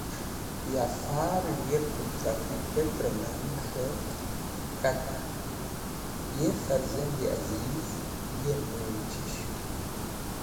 Ya far g̃hirdi tra k̃hũ peter nag k̃he k̃hati: Ye Farzandi Aziz! Ye Nur-e Chashm!